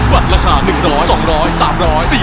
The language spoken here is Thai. วันที่๔และ๕มิถุนายนี้